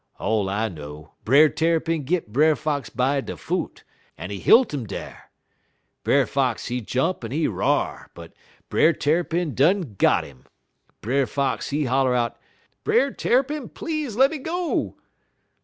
All I know, Brer Tarrypin git Brer Fox by de foot, en he hilt 'im dar. Brer Fox he jump en he r'ar, but Brer Tarrypin done got 'im. Brer Fox, he holler out: "'Brer Tarrypin, please lemme go!'